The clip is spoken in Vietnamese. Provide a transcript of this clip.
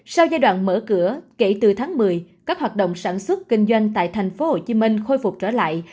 sau giai đoạn mở cửa kể từ tháng một mươi các hoạt động sản xuất kinh doanh tại thành phố hồ chí minh khôi phục trở lại